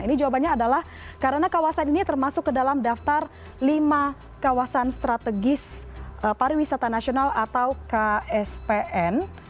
ini jawabannya adalah karena kawasan ini termasuk ke dalam daftar lima kawasan strategis pariwisata nasional atau kspn